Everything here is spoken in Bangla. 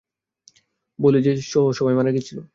বলে যে সে সহ সবাই মারা গেছিলো।